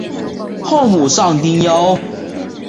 后母丧丁忧。